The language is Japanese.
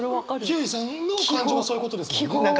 ひゅーいさんの感情はそういうことですもんね？